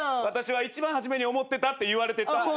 私は一番初めに思ってたって言われてた。